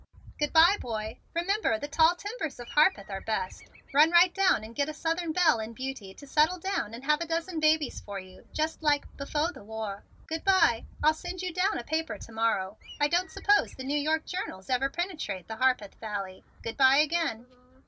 "Good bye, boy! Remember, the tall timbers of Harpeth are best. Run right down and get a Southern belle and beauty to settle down and have a dozen babies for you, just like 'befo' the war.' Good bye! I'll send you down a paper to morrow. I don't suppose the New York journals ever penetrate the Harpeth Valley. Good bye again."